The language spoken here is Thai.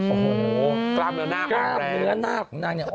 โอ้โหกล้ามเนื้อหน้าอ่อนแรง